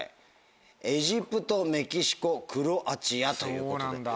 エジプトメキシコクロアチアということで。